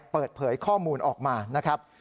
เปิดเผยข้อมูลออกมานะครับ